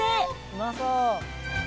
「うまそう！」